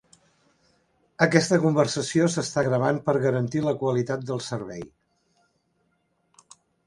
Aquesta conversació s"està gravant per garantir la qualitat del servei.